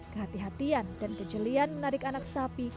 kehatian dan kejelian menarik anak sapi